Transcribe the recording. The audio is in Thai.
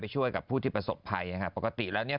ช่วยกับผู้ที่ประสบภัยนะครับปกติแล้วเนี่ย